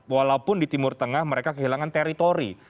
walaupun di timur tengah mereka kehilangan teritori